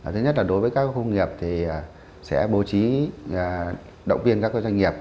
thứ nhất là đối với các cái công nghiệp thì sẽ bố trí động viên các cái doanh nghiệp